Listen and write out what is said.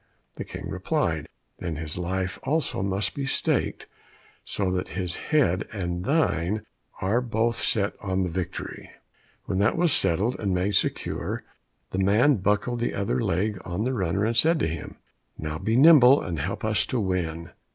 The King replied, "Then his life also must be staked, so that his head and thine are both set on the victory." When that was settled and made secure, the man buckled the other leg on the runner, and said to him, "Now be nimble, and help us to win."